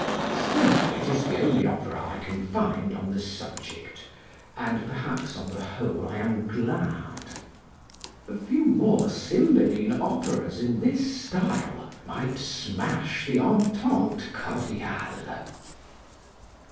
Still, it is the only opera I can find on the subject, and perhaps on the whole I am glad; a few more Cymbeline operas in this style might smash the entente cordiale.